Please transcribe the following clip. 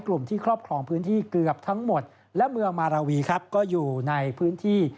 กลุ่มที่ครอบครองพื้นที่เกือบทั้งหมดและเมืองมาราวีครับก็อยู่ในพื้นที่